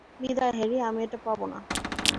বিদায় হ্যারি, আমি এটা পাবোনা।